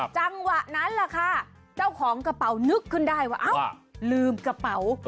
จังหวะนั้นแหละค่ะเจ้าของกระเป๋านึกขึ้นได้ว่าเอ้าลืมกระเป๋า